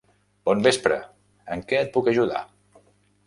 Bon vespre! En què et puc ajudar?